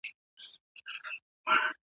ایا د ږیري خاوند ډنډ ته د چاڼ ماشین یووړ؟